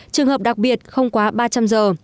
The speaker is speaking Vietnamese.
trường hợp đặc biệt không quá ba trăm linh giờ